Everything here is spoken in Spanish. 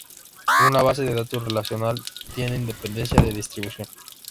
Una base de datos relacional tiene independencia de distribución.